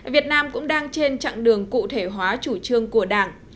việt nam cũng đang trên chặng đường cụ thể hóa chủ trương của đảng